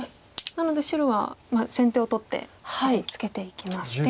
なので白は先手を取ってコスミツケていきまして。